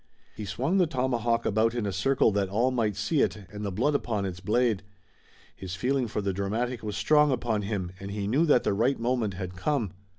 He swung the tomahawk about in a circle that all might see it, and the blood upon its blade. His feeling for the dramatic was strong upon him, and he knew that the right moment had come.